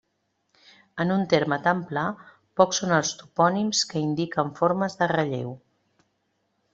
En un terme tan pla, pocs són els topònims que indiquen formes de relleu.